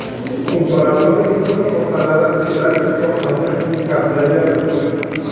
Junto a la torre existe una portalada que da acceso a una finca amurallada.